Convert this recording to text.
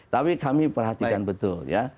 tapi kami perhatikan betul ya